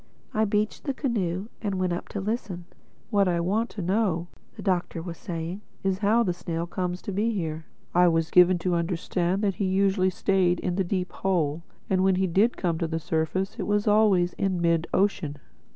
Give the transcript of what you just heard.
I beached the canoe and went up to listen. "What I want to know," the Doctor was saying, "is how the snail comes to be here. I was given to understand that he usually stayed in the Deep Hole; and that when he did come to the surface it was always in mid ocean."